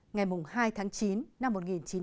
ngày hai tháng chín năm một nghìn chín trăm sáu mươi ba